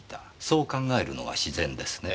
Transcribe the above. そう考えるのが自然ですね。